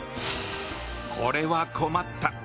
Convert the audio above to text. これは困った。